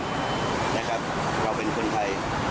เพราะว่าเราเป็นคนไทย